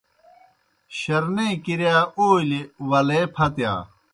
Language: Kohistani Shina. شرنے کِرِیا اولیْ ولے پھتِیا۔